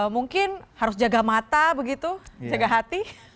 mungkin harus jaga mata begitu jaga hati